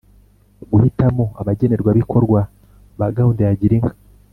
Guhitamo abagenerwabikorwa ba gahunda ya girinka